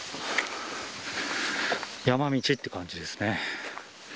山道って感じですね。